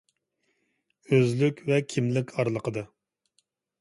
ئۆزلۈك ۋە كىملىك ئارىلىقىدا.